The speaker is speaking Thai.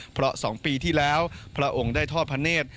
เพราะ๒ปีที่แล้วพระองค์ได้ทอดพระเนธ